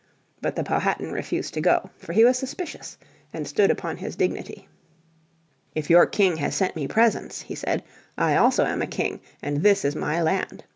But the Powhatan refused to go for he was suspicious and stood upon his dignity. "If your King has sent me presents," he said, "I also am a king, and this is my land.